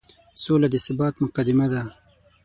سوله د ثبات مقدمه ده.